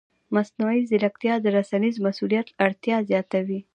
مصنوعي ځیرکتیا د رسنیز مسؤلیت اړتیا زیاتوي.